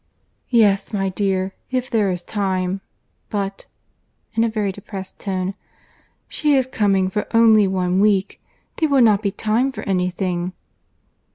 "Yes, my dear, if there is time.—But—(in a very depressed tone)—she is coming for only one week. There will not be time for any thing."